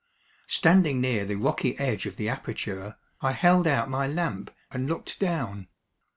Standing near the rocky edge of the aperture, I held out my lamp and looked down.